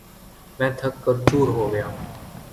میں تھک کر چُور ہوگیا